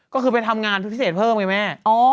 ก็คือไปทำงานพิเศษเพิ่มไงแม่